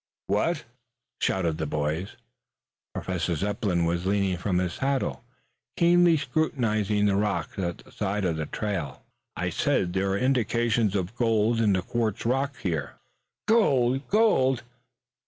"What?" shouted the boys. Professor Zepplin was leaning from his saddle, keenly scrutinizing the rocks at the side of the trail. "I said, there are indications of gold in the quartz rock here " "Gold! Gold!